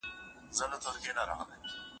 د مالیدې خوند داسې خوږ دی لکه نوم د ادې